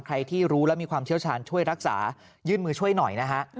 ใครที่รู้และมีความเชี่ยวชาญช่วยรักษายื่นมือช่วยหน่อยนะฮะ